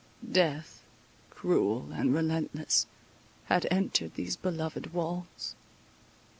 Death, cruel and relentless, had entered these beloved walls.